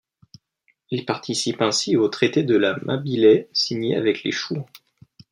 Il participe ainsi au traité de la Mabilais signé avec les Chouans.